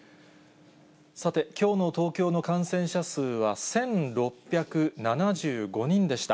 さて、きょうの東京の感染者数は１６７５人でした。